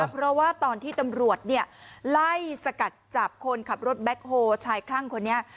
เพราะว่าตอนที่ตำรวจไล่สกัดจับคนขับรถแบ็คโฮชายคลั่งคนนี้